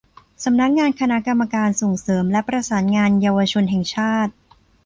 สำนักงานคณะกรรมการส่งเสริมและประสานงานเยาวชนแห่งชาติ